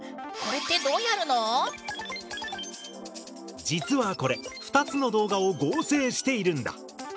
これって実はこれ２つの動画を合成しているんだ。